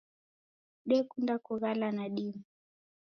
Dekunda kughala nadime.